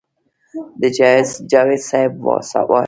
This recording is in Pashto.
د جاوېد صېب واحد سوال